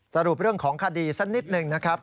สรุปเรื่องของคดีสักนิดหนึ่งนะครับ